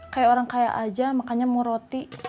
kayak orang kaya aja makanya mau roti